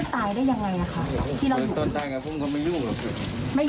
ตายได้ยังไงนะคะที่เราอยู่ตอนตายไงพวกมันก็ไม่ยุ่งไม่ยุ่ง